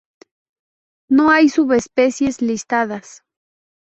No hay subespecies listadas.